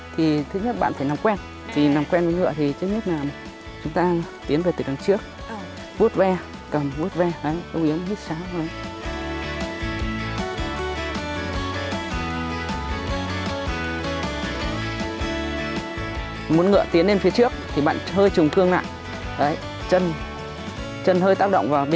thứ thái ngắm nhìn không cảnh mênh mông thơ mộng